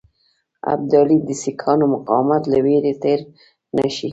ابدالي د سیکهانو مقاومت له وېرې تېر نه شي.